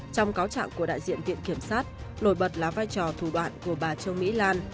trong cáo trạng của đại diện viện kiểm sát nổi bật là vai trò thủ đoạn của bà trương mỹ lan